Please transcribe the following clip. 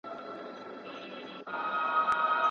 ايا دولتي فعاليتونه اوس ګټور دي؟